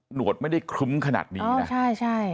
หนวดไม่ได้คลุ้มขนาดนี้นะ